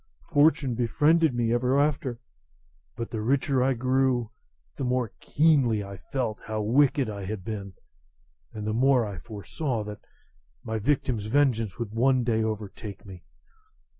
Fortune befriended me ever after; but the richer I grew, the more keenly I felt how wicked I had been, and the more I foresaw that my victim's vengeance would some day overtake me.